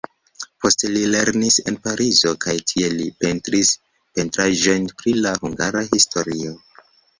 Poste li lernis en Parizo kaj tie li pentris pentraĵojn pri la hungara historio.